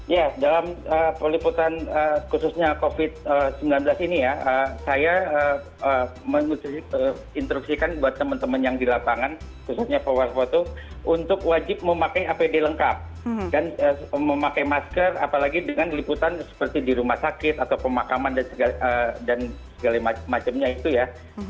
ya dalam peliputan khususnya covid sembilan belas ini ya saya menutupi instruksikan buat teman teman yang di lapangan khususnya pewarta foto untuk wajib memakai apd lengkap dan memakai masker apalagi dengan liputan seperti di rumah sakit atau pemakaman dan segala macamnya itu ya